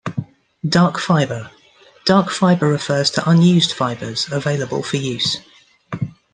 Dark fiber: Dark fiber refers to unused fibers, available for use.